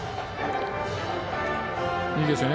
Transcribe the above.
いいですね。